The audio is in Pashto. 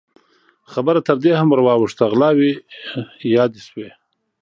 خبره تر دې هم ور واوښته، غلاوې يادې شوې.